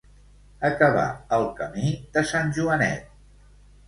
Acabar al camí de Sant Joanet.